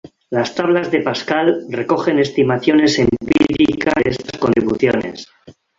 Las tablas de Pascal recogen estimaciones empíricas de estas contribuciones.